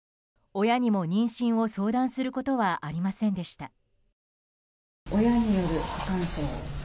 親にも妊娠を相談することはありませんでした。